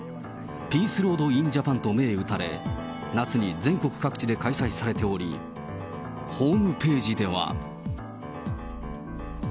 ピースロード・イン・ジャパンと銘打たれ、夏に全国各地で開催されており、ホームページでは。